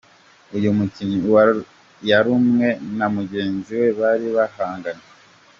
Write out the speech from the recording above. Uyu mukinnyi yarumwe na mugenzi we bari bahanganye.